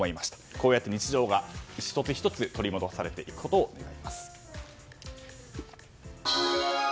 こうやって日常が１つ１つ取り戻されていくことを願います。